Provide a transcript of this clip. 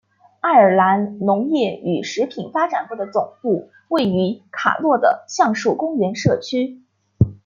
爱尔兰农业与食品发展部的总部位于卡洛的橡树公园社区。